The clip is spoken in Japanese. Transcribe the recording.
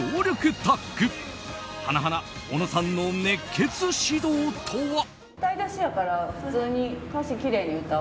花おのさんの熱血指導とは。